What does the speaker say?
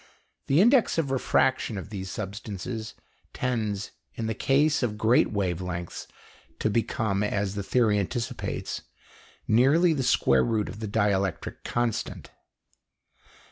The index of refraction of these substances tends in the case of great wave lengths to become, as the theory anticipates, nearly the square root of the dielectric constant.